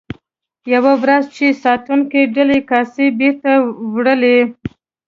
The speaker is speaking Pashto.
یوه ورځ چې ساتونکو ډکې کاسې بیرته وړلې.